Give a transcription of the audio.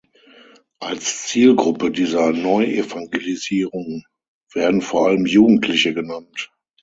Als Zielgruppe dieser Neuevangelisierung werden vor allem Jugendliche genannt.